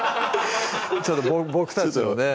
ちょっと僕たちのね